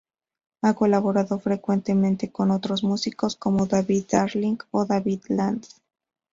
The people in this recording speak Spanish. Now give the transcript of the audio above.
Ha colaborado frecuentemente con otros músicos, como David Darling o David Lanz.